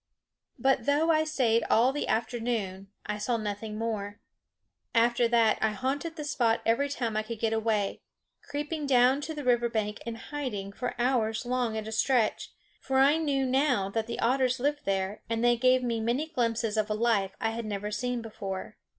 But though I stayed all the afternoon I saw nothing more. After that I haunted the spot every time I could get away, creeping down to the river bank and lying in hiding hours long at a stretch; for I knew now that the otters lived there, and they gave me many glimpses of a life I had never seen before.